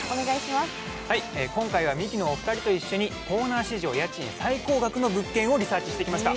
今回はミキのお二人と一緒にコーナー史上、家賃最高額の物件をリサーチしてきました。